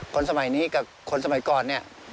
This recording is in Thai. คนสมัยนี้กับคนสมัยก่อนเนี่ย